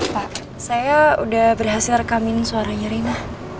pak saya udah berhasil rekamin suaranya rina